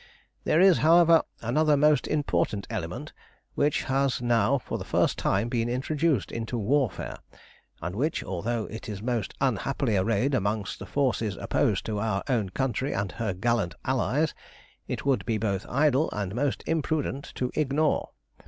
"There is, however, another most important element which has now for the first time been introduced into warfare, and which, although it is most unhappily arrayed amongst the forces opposed to our own country and her gallant allies, it would be both idle and most imprudent to ignore.